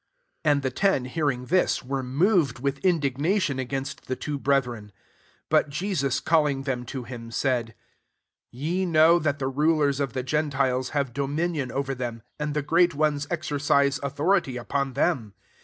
24 And the ten hearing /Aw, were moved with indignation against the two brethren. 35 But Jesus calling them to him, said ; "Ye know that the rulers of the gentiles have dominion over them, and the great ones exercise authority upon them.